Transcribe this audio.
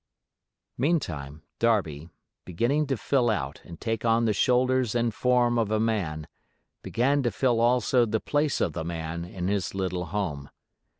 Meantime Darby, beginning to fill out and take on the shoulders and form of a man, began to fill also the place of the man in his little home.